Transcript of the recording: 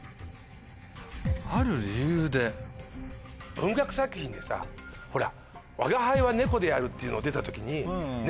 文学作品でさほら。